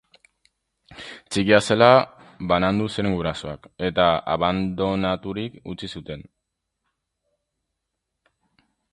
Txikia zela banandu ziren gurasoak, eta abandonaturik utzi zuten.